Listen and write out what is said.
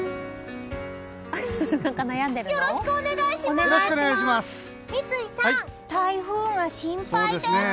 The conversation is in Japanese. よろしくお願いします！